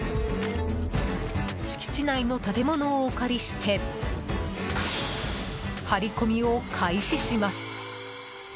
敷地内の建物をお借りして張り込みを開始します。